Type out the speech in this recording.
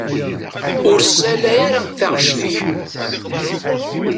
Ur ssalay ara taɣect-ik.